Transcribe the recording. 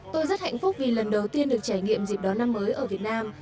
tôi rất hạnh phúc vì lần đầu tiên được trải nghiệm dịp đón năm mới ở việt nam